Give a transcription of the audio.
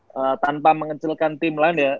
tidak tanpa mengecilkan tim lain ya